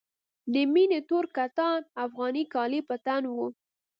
د مينې تور کتان افغاني کالي په تن وو.